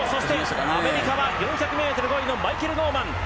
アメリカは４００ｍ５位のマイケル・ノーマン。